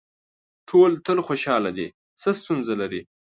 ټول تل خوشاله دي څه ستونزه لري.